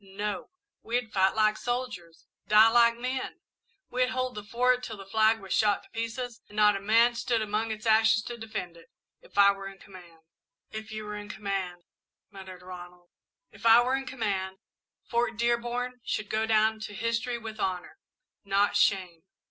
No! We'd fight like soldiers, die like men; we'd hold the Fort till the flag was shot to pieces and not a man stood among its ashes to defend it, if I were in command!" "If you were in command " muttered Ronald. "If I were in command, Fort Dearborn should go down to history with honour, not shame.